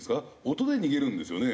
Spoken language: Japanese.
音で逃げるんですよね？